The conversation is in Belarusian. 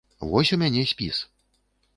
Вось у мене спіс.